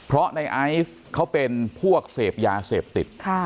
เพราะในไอซ์เขาเป็นพวกเสพยาเสพติด